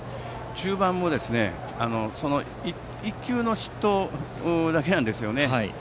中盤も１球の失投だけなんですよね。